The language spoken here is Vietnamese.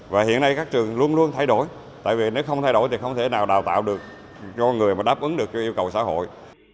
và hiện nay các trường luôn luôn thay đổi tại vì nếu không thay đổi thì không thể nào đào tạo được cho người mà đáp ứng được yêu cầu xã hội